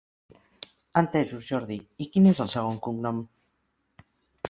Entesos Jordi, i quin és el segon cognom?